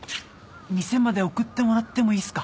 店まで送ってもらってもいいっすか？